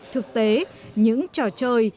thực tế những trò chơi